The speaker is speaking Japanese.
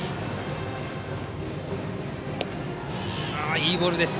いいボールです。